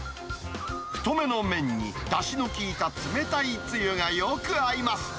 太めの麺にだしの効いた冷たいつゆがよく合います。